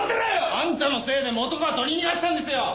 アンタのせいで本川を取り逃がしたんですよ！